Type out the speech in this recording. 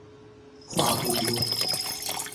話不多